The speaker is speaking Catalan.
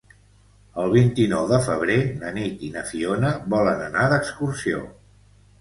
El vint-i-nou de febrer na Nit i na Fiona volen anar d'excursió.